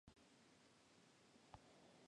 Se graduó en la escuela Evanston Township.